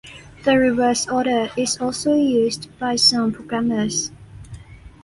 The reverse order is also used by some programmers.